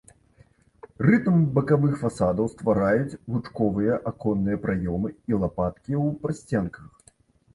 Рытм бакавых фасадаў ствараюць лучковыя аконныя праёмы і лапаткі ў прасценках.